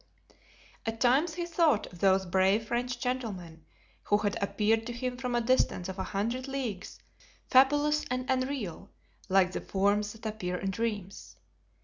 At times he thought of those brave French gentlemen who had appeared to him from a distance of a hundred leagues fabulous and unreal, like the forms that appear in dreams.